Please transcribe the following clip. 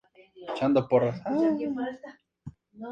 Debutó en el club chileno Santiago Wanderers.